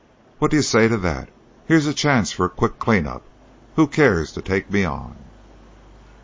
What do you say to that? Here's a chance for a quick clean up. Who cares to take me on?"